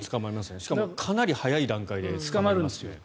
しかもかなり早い段階で捕まりますね。